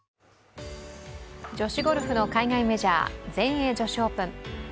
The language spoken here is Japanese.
女子ゴルフの海外メジャー全英女子オープン。